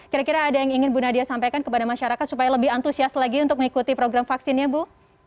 kira kira ada yang ingin bu nadia sampaikan kepada masyarakat supaya lebih antusias lagi untuk mengikuti program vaksinnya bu